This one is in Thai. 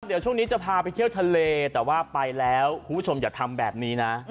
เดี๋ยวช่วงนี้จะพาไปเที่ยวทะเลแต่ว่าไปแล้วคุณผู้ชมอย่าทำแบบนี้นะ